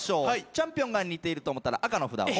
チャンピオンが似ていると思ったら赤の札を。